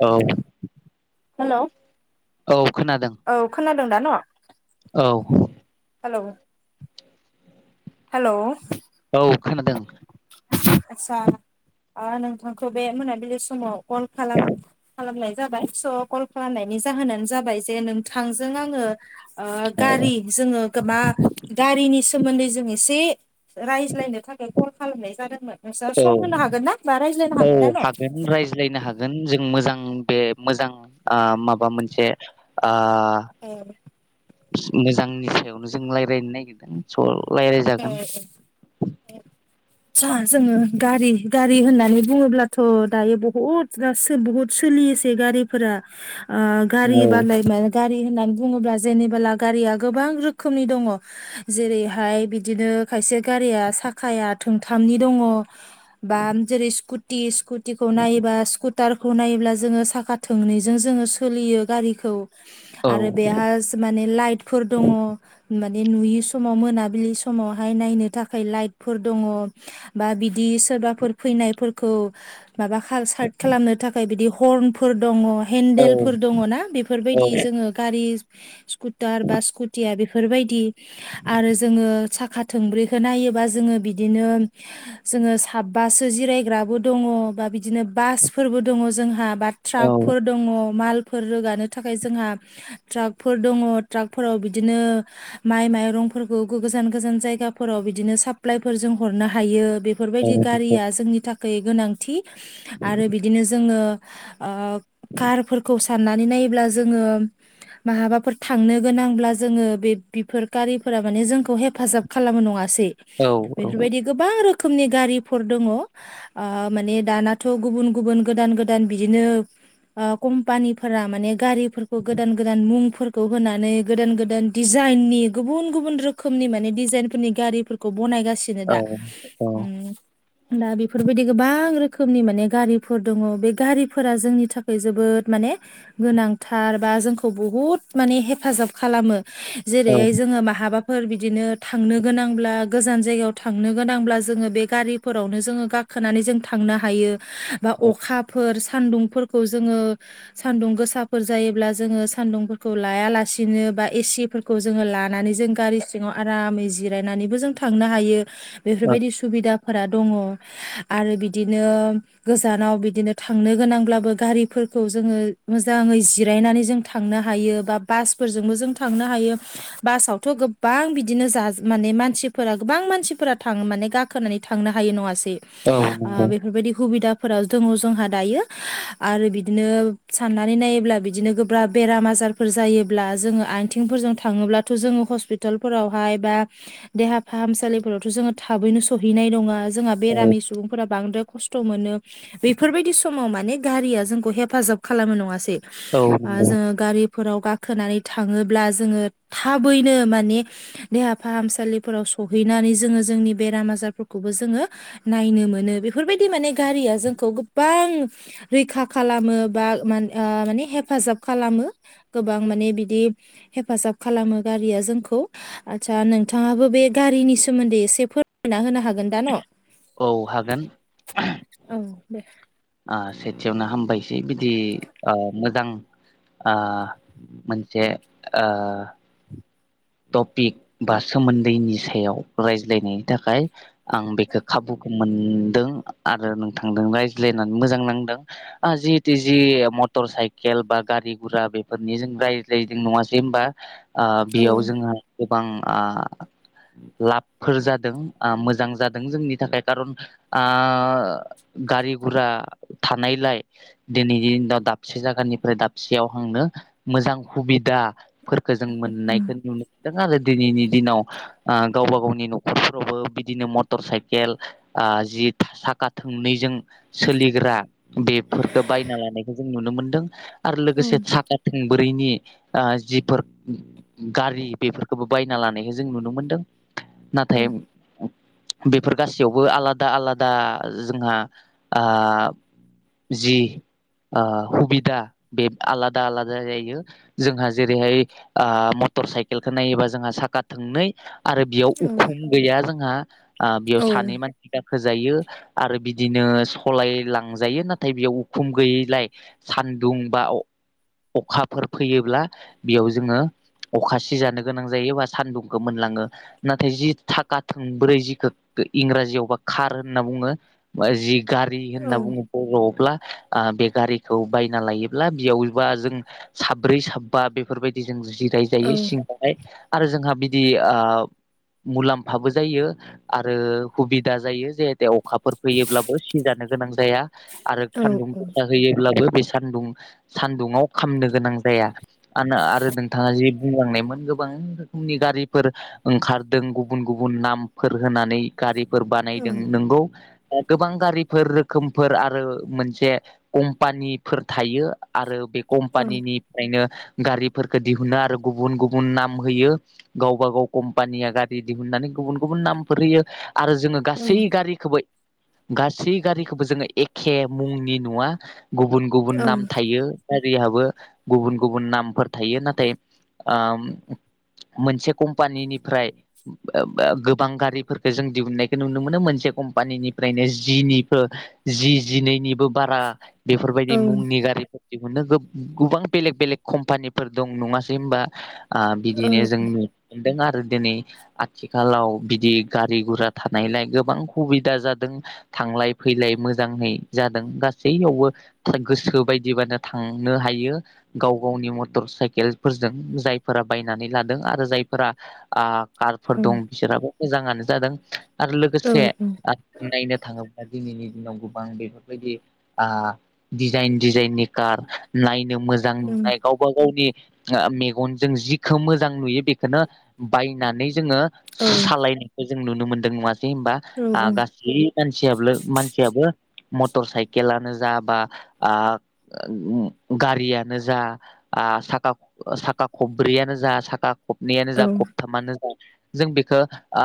औ हेल' औ खोनादों दं दा न' औ हेल' औ खोनादों आस्सा नोंथांखौ बे मोनाबिलि समाव कल खालाम खालामनाय जाबाय स' कल खालामनायनि जाहोनानो जाबाय जे नोंथांजों आङो औ गारि जोङो गोबा गारिनि सोमोन्दै जों एसे रायज्लायनो थाखाय कल खालामनाय जादों औ औ दा न' हागोन रायज्लायनो हागोन जों मोजां बे मोजां माबा मोनसे औ मोजांनि सायावनो जों रायज्लायनो नागिरदों स रायज्लायजागोन [unintelligible] जोङो गारि गारि होननानै बुङोब्लाथ' दायो बुहुत बहुत सोलियोसै गारि फोरा ओ औ गारि बानायना गारि होननानै बुङोब्ला जेनेबला गारिया गोबां रोखोमनि दङ जेरैहाय बि बिदिनो खायसे गारिया साखाया थोंथामनि दङ बा जेरै स्कुटि स्कुटिखौ नायोब्ला स्कुटारखौ नायोब्ला जोङो साखा थोंनैजों जोङो सोलियो गारिखौ औ आरो बेहा माने लाइटफोर दङ माने नुयि समाव मोनाबिलि सम समावहाय नायनो थाखाय लाइटफोर दङ बा बिदि सोरबाफोर फैनायफोरखौ माबा सार्ट खालामनो थाखाय बिदि हर्नफोर दङ औ हेन्देलफोर दङ ना औ बेफोरबायदि जोङो गारि स्कुटार बा स्कुटिया बेफोरबायदि आरो जोङो साखा थोंब्रैखौ नायोबा जोङो बिदिनो जोङो साबबासो जिरायग्राबो दङ अ बा बिदिनो बासफोरबो दङोजोंहा औ बाथ्राफोर दं माल फोर रोगानो थाखाय जोंहा ट्राकफोर दङ ट्राकफोराव बिदिनो माइ माइरं। फोरखौ गोगोजान। गोजान जायगाफोराव बिदिनो साप्लाइफोर जों हरनो हायो औ बेफोरबायदि औ औ गारिया जोंनि थाखाय। गैगोनांथि आरो बिदिनो जोङो ओ कारफोरखौ साननानै नायोब्ला जोङो माहाबाफोर थांनो गोनांब्ला जोङो बेबिफोर गारि। फोरा जोंखौ हेफाजाब खालामो नङासै बेफोरबादि गोबां रो खोमनि गारिफोर दंङो ओ माने दानाथ' गुबुन गुबुन गोदान गोदान बिदिनो। कम्पानिफोरा माने गारिफोरखौ गोदान गोदान मुंफोरखौ होनानै गोदान गोदान दिजा जाइनि गुबुन गुबुन रोखोमनि माने दिजाइनफोरनि गारिफोरखौ बनायगासिनो। सिनो दा नंगौ उम दा बेफोरबायदि गोबां रोखोमनि माने गारिफोर दङ बे गारिफोरा जोंनि थाखाय जोबोद माने ने गोनांथार बा जोंखौ बुहुद माने हेफाजाब खालामो। जेरैहाय जोङो बाहाबाफोर बिदिनो। थांनो गोनांब्ला गोजान जायगायाव थांनो गोनांब्ला जोङो बे गारिफोरावनो जोङो गाखोनानै जों थां नो हायो बा अखाफोर। सान्दुंफोरखौ जोङो सान्दुं गोसाफोर जायोब्ला जोङो सान्दुंफोरखौ लायालासेनो। बा एसि फोरखौ जों लानानै जों गारि सिंङाव आरामै जिरायनानैबो जों थांनो हायो बेफोरबायदि सुबिदा। फोरा दङ आरो बिदिनो गोजानाव बिदिनो थांनो गोनांब्लाबो गारिफोर। फोरखौ जोङो मोजाङै जिरायनानै जों थांनो हायो बा बासफोरजोंबो जों थांनो हायो। बासावथ' गोबां बिदि। बिदिनो जाज माने मानसिफोरा गोबां मानसिफोरा थांङो माने गाखोनानै थांनो हायो नङासे बे ओ बेफोरबायदि हुबिदा। फोराव दङ जोंहा दायो आरो बिदिनो साननानै नायोब्ला बिदिनो गोब्राब बेराम आ जारफोर जायोब्ला जोङो आइथिंफोरजों थाङोबथ' जोङो हस्पिताल। फोरावहाय बा देहा फाहामसालिफोरावथ' जोङो थाबैनो सहैनाय नङा। जोंहा औ बेरामि सुबुंफोरा बांदों। खस्थ' मोनो बेफोरबायदि समाव माने गारिया जोंखौ हेफाजाब खालामो नङासै? ओ नंगौ जोङो गारिफोराव गाखोनानै थाङोब्ला जोङो थाबैनो माने। देहा फाहामसालिफोराव सहैनानै जोङो जोंनि बेराम आजारफोरखौबो जोङो नायनो। मोनो बेफोर बायदि माने गारिया जोंखौ गोबां रैखा खालामो बा मा माने हेफाजाब खालामो गोबां माने बिदि हेफाजाब खालामो गारिया जोंखौ। आदसा नोंथाङाबो बे गारिनि सोमोन्दै एसे फोरमायना होनो हागोन दा न'? औ हागोन। दे ओ सेथियावनो हामबायसै बिदि ओ मोजां। ओ मोनसे ओ टपिक बा सोमोन्दैनि सायाव रायज्लायनायनि थाखाय। आं बेखौ खाबुखौ मोनदों आरो नोंथांदों रायज्लायनानै मोजां नांदों ओ जितिजि मट मटर साइकेल बा गारि गुरा बेफोरनि जों रायज्लायदों नङासै होमबा ओ औ बेयाव ज। गोबां ओ लाबफोर जादों मोजां जादों जोंनि थाखाय खारन ओ गारि गुरा थानायलाय दिनैनि दिनाव दाबसे जायगानिफ्राय दाबसेयाव थांनो। मोजां हुबिदाफोरखौ जों औ मोननाय। नुनोमोनदों आरो दिनैनि दिनाव ओ गावबा गावनि न'खरफोरावबो बिदिनो मटर साइकेल। ओ जि साखा थोंनैजों सोलिग्रा बेफोरखौ बायना लानायखौ जों। नुनो मोनदों आरो औ लोगोसे साखा थोंब्रैनि ओ जिफोर गारि बेफोरखौबो बायना लानायखौय जों नुनो मोनदों नाथाय। बेफोर गासैयावबो आलादा आलादा जोंहा ओ जि ओ हुबिदा बे आलादा आलादा जायो जोंहा जेरैहाय ओ मटर साइकेलखौ नायोबा जोंहा साखा थोंनै आरो बेयाव औ उखुम गैया जोंहा ओ बेयाव सानै मानसि गाखो जायो आरो बिदिनो सलाय लांजायो नाथाय बेयाव उखुम गैयैलाय सा न्दुं बा अ-अखाफोर फैयोब्ला बेयाव जोङो अखा सि जानो गोनां जायो एबा सानदुंखौ मोनलाङो नाथाय जि थाखा थोंब्रै जिखो इंराजियावबा कार होनना बुङो जि गारि होनना औ बुङो बर'आवब्ला ओ बे गारिखौ बायना लायोब्ला बेयावबा जों साब्रै साबा बेफोरबायदि जों जिराय जायो औ सिं बाहाय आरो जोंहा बिदि ओ मुलाम्फाबो जायो आरो हुबिदा जायो जे जे अखाफोर फैयोब्लाबो सि जानो गोनां जाया आरो सान्दुं औ गोसा होयोब्लाबो बे सान्दुं सान्दुंआव खामनो गोनां जाया आनो आरो नोंथाङा जि बुंलांनायमोन गोबां रोखोमनि गारिफोर ओंखारदों गुबुन गुबुन नामफोर होनानै गारि फोर औ बानायदों नंगौ गोबां गारिफोर रोखोमफोर आरो मोनसे कम्पानिफोर थायो आरो बे कम्पानिनिफ्रायनो गारिफोरखौ दिहुनो आरो गुबुन गुबुन नाम होयो गावबा गाव कम्पानिया गारि दिहुननानै गुबुन गुबुन नामफोर होयो। आरो जोङो गासै गारिखौबो गासै गारिखौबो जोङो एखे मुंनि नुवा गुबुन गुबुन नाम थायो गारिहाबो गुबुन गुबुन नामफोर थायो नाथाय ओम मोनसे कम्पानिनिफ्राय गोबां गारिफोरखौ जों दिहुननायखौ नुनो मोनो मोनसे कम्पानिनिफ्रायनो जिनिबो जि जिनैनिबो बारा बेफोरबायदि मुंनि गारिफोर दिहुननो गो गोबां बेलेग बेलेग कम्पानिफोर दं नङासै होनबा? ओ बिदिनो जोंनि दों आरो दिनै आथिखालाव बिदि गारि गुरा थानायलाय गोबां खुबिदा जादों थांलाय फैलाय मोजाङै जादों गासैयावबो गोसो बायदिबानो थां नो हायो गाव गावनि मटर साइकेलफोरजों जायफोरा बायनानै लादों आरो जायफोरा ओ कारफोर दं बिसोरहाबो मोजाङानो जादों आरो लोगोसे नायनो थाङो बा दिनैनि दिनाव गोबां बेफोरबायदि ओ डिजाइन डिजाइननि कार नाय नो मोजां नुनाय गावबा गावनि ओ मे गनजों जिखौ मोजां नुयो बेखौनो बायनानै जोंङो सालायनायखो जों नुनो मोनदों नुआसै होमबा ओ नोंथाङाबो गासै मानसियाब्लो मानसियाबो मटर साइकेलानो जा बा ओ गारियानो जा ओ साखा साखा खब्रैयानो जा साखा खबनैयानो जा खबथामानो जा जों बेखौ ओ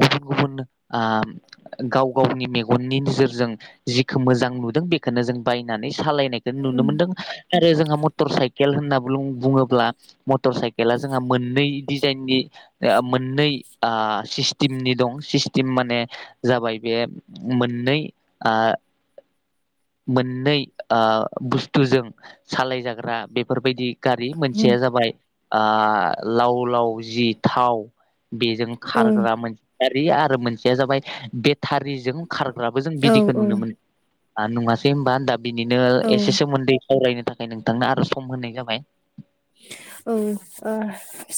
गुबुन गुबुन ओ गाव गावनि मेगननि नोजोर जों जिखौ मोजां नुदों बेखौनो जों बायनानै सालायनायखौ नुनो मोनदों आरो जोंहा मटर साइकेल होनना ब्लुं बुङोब्ला मटर साइ केला जोंहा मोननै डिजाइननि मोननै ओ सिस्टेमनि दं सिस्टेम माने जाबाय बे बे मोननै आ [inaudible] मोननै ओ बुस्थुजों सालाय जाग्रा बेफोरबायदि गारि सेया जाबाय ओ लाव लाव जि थाव बेजों खारग्रा मोनसे गारि आरो मोनसेया जाबाय बे थारिजों खारग्राबो जों बिदिखौ नुनो मोन ओ नङासै होमबा दा बिनिनो एसे सोमोन्दै सावरायनो थाखाय नोंथांनो आरो सम होनाय जाबाय औ ओ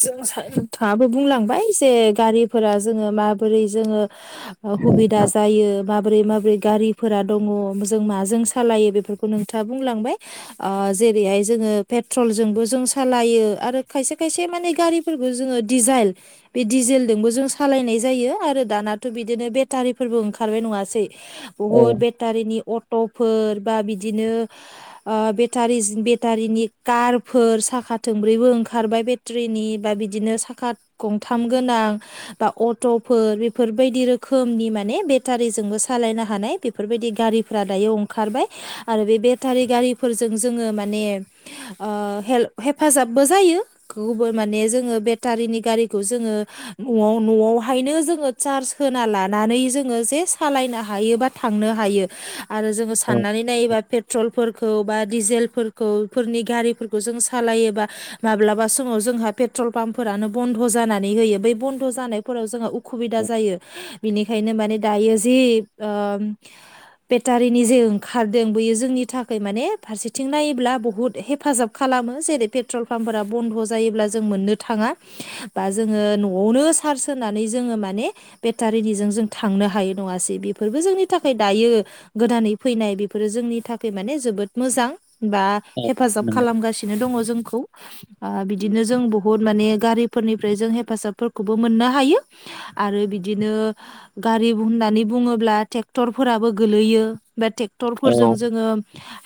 जों सा नोंथाङाबो बुंलांबाय जे गारिफोरा जोङो माबोरै जोङो ओ हुबिदा जायो माबोरै माबोरै गारिफोरा दङ जों माजों सालायो बेफोरखौ नोंथाङा बुंलांबाय ओ जेरैहाय जोङो पेट्रल जोंबो जों सालायो आरो खायसे खायसे माने गारिफोरखौ जोङो डिजाइल बे डिजेलदोंबो सा लायनाय जायो आरो दानाथ' बिदिनो बेटारिफोरबो ओंखारबाय नङासै औ बहुत बेटारिनि अट ट'फोर बा बिदिनो ओ बेटारिस बेटारिनि कार फोर साखा थोंब्रैबो ओंखारबाय बेट्रिनि बा बिदिनो साखा गंथाम गोनां बा अट'फोर बेफोरबायदि रोखोमनि माने बेटारिजोंबो सालायनो हानाय बेफोरबायदि गा रिफोरा दायो अंखारबाय आरो बे बेटारि गारि फोरजों जोङो माने ओ हेल हेफाजाबबो जायो गौबो माने जोङो बेटारिनि गारिखौ जोङो नआव न'आवहायनो जोङो चार्ज होना लानानै जोङो जे सालायनो हायो बा थांनो हा हायो आरो जोङो औ साननानै नायोबा पेट्रलफोरखौ बा डिजेलफोरखौ फोरनि गारि फोरखौ जों सालायोबा माब्लाबा समाव जोंङो पेट्रल पाम्पफोरानो ब'न्द जानानै होयो बै बन ध' जानायफोराव जोंङो उखुबिदा औ जायो बिनिखायनो माने दायो जि ओम बेटारिनि जे ओंखारदों बेयो जोंनि थाखाय माने फारसेथिं नायोब्ला बुहुत हेफाजाब खालामो जेरै पेट्रल पाम्पफोरा बन्द' जायोब्ला जों मोननो थाङा बा जोङो न'आवनो चार्स होनानै जोङो माने बेटारिनिजों जों थांनो हायो नङासै बेफोरबो जोंनि थाखाय दायो गोदानै फैनाय बेफोरो जोंनि थाखाय माने जोबोद मोजां बा औ हेफाजाब नंगौ खालामगासिनो दङ जोंखौ बा बिदिनो जों बुहुद माने गारिफोरनिफ्राय जों हेफाजाबफोरखौबो मोननो हायो आरो बि दिनो गारि होननानै बुङोब्ला ट्रेक्टरफोराबो गोलैयो बे टेक्टर औ फोरजों जोङो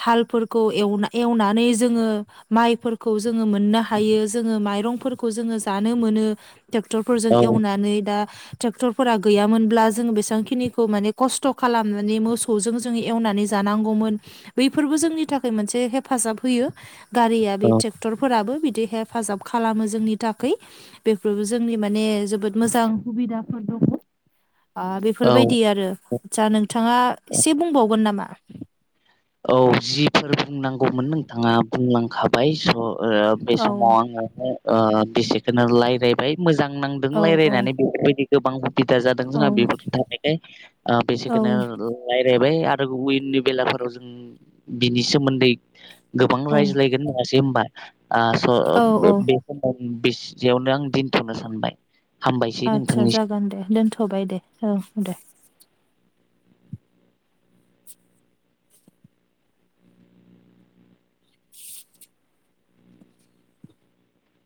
हालफोरखौ एव एवनानै जोङो माइफोरखौ जोङो मोननो हायो जोङो माइरंफोरखौ जोङो जानो मोनो टेक्टरफोरजों औ एवनानै दा ट्रेक्टरफोरा गैयामोनब्ला जों बेसांखिनिखौ माने खस्थ' खालामनानै मोसौ जों जोङो एवना नानै जानांगौमोन बैफोरबो जोंनि थाखाय मोनसे हेफाजाब होयो गारिया औ बे ट्रेक्टरफोराबो बिदि हेफाजाब खालामो जोंनि थाखाय बेफोरबो जोंनि माने जोबोद मोजां खुबिदाफोर दङ आ औ बेफोरबायदि आरो आदसा नोंथाङा औ एसे बुंबावगोन नामा औ जिफोर बुंनांगौमोन नोंथाङा बुंलांखाबाय स' ओ बे औ समाव आंङो ओ बेसेक खोनो लायरायबाय मोजां नांदों औ औ लायरायनानै बेफोरबायदि गोबां बिदा जादों औ जोंना बेफोर थानायखाय ओ औ बेसेखोनो लाइ रायबाय आरो उइननि बेलाफोराव जों बिनि सोमोन्दै गोबां औ रायज्लायगोन होनासै होमबा आ स' औ औ बे-बेखबर बिसनियावनो आं दिनथ'नो सानबाय हामबायसै आदसा नोंथांनिसिम जागोन दे दोनथ'बाय दे ओ दे